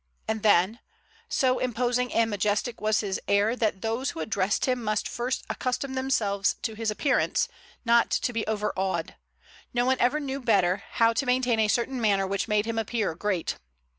And then, "so imposing and majestic was his air that those who addressed him must first accustom themselves to his appearance, not to be overawed. No one ever knew better, how to maintain a certain manner which made him appear great."